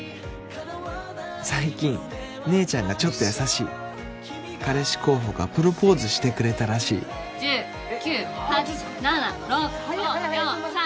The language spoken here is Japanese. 最近姉ちゃんがちょっと優しい彼氏候補がプロポーズしてくれたらしい１０・９・８・７・６５・４・３。